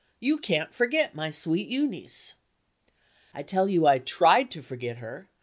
You can't forget my sweet Euneece." "I tell you I tried to forget her!